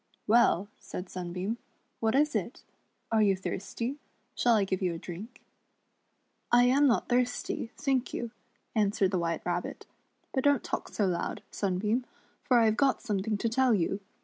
"Well," said Sunbeam, "what is it? Are you thirsty. * Shall I give you a drink. *"" I am not thirsty, thank you," answered the WMiite Rabbit; "but don't talk so loud, Sunbeam, for I have got something to tell you.